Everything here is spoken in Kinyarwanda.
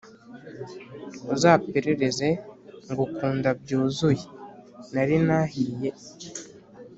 uzaperereze ngukunda byuzuye nari nahiye